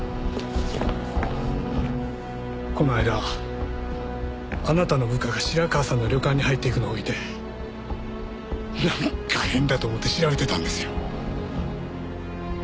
この間あなたの部下が白川さんの旅館に入っていくのを見てなんか変だと思って調べてたんですよ。